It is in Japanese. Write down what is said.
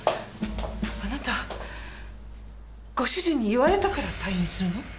あなたご主人に言われたから退院するの？